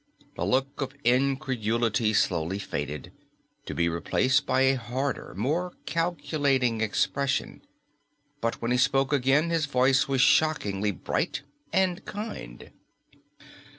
The look of incredulity slowly faded, to be replaced by a harder, more calculating expression. But when he spoke again, his voice was shockingly bright and kind.